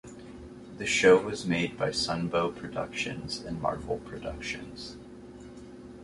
The show was made by Sunbow Productions and Marvel Productions.